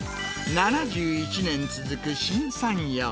７１年続く新三陽。